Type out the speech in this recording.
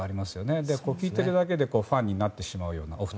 お二人とも、聞いているだけでファンになってしまうような。